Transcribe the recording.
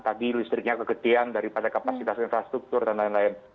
tadi listriknya kegetian daripada kapasitas infrastruktur dan lain lain